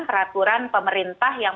peraturan pemerintah yang